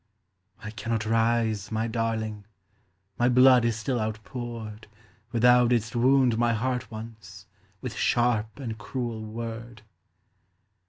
"I cannot rise, my darling, My blood is still outpoured Where thou didst wound my heart once With sharp and cruel word."